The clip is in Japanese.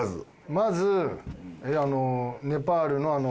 まずネパールのあの。